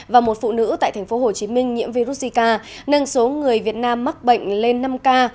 và một phụ nữ tại tp hcm nhiễm virus zika nâng số người việt nam mắc bệnh lên năm ca